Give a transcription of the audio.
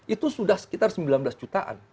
itu sudah sekitar sembilan belas jutaan